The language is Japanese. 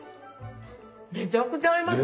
めちゃくちゃ合いますね！ですね。